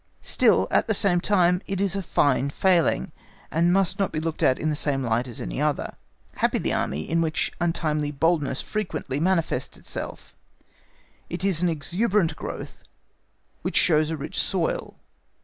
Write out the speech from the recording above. Still, at the same time, it is a fine failing, and must not be looked at in the same light as any other. Happy the Army in which an untimely boldness frequently manifests itself; it is an exuberant growth which shows a rich soil.